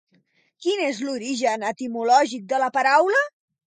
Quin és l'origen etimològic de la paraula?